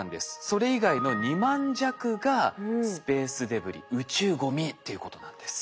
それ以外の２万弱がスペースデブリ宇宙ゴミっていうことなんです。